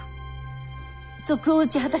賊を討ち果たし